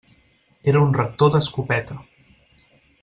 Era un rector d'escopeta.